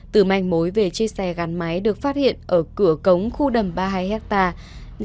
từ manh mối về chiếc xe gắn máy được phát hiện ở cửa cống khu đầm ba mươi hai hectare